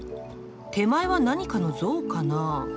手前は何かの像かな？